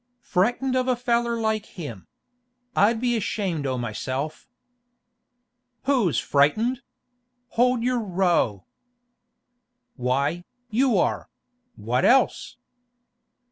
Frightened of a feller like him! I'd be ashamed o' myself!' 'Who's frightened? Hold your row!' 'Why, you are; what else?